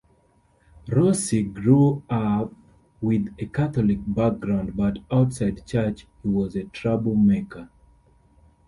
Rossi grew up with a Catholic background but outside church he was a troublemaker.